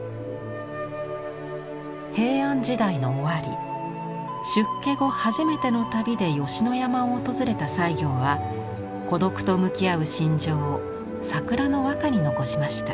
平安時代の終わり出家後初めての旅で吉野山を訪れた西行は孤独と向き合う心情を桜の和歌に残しました。